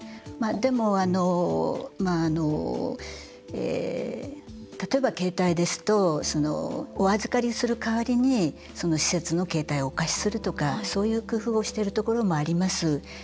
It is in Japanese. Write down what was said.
でも、例えば携帯ですとお預かりする代わりに施設の携帯をお貸しするとか、そういう工夫をしているところもあります。